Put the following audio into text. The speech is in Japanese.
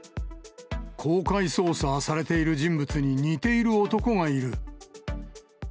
公開捜査されている人物に似ている男がいる。